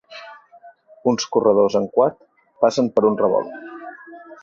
Uns corredors en quad passen per un revolt.